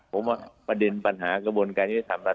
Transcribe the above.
ผมประดินปัญหากระบวนการยุติศามน่ะ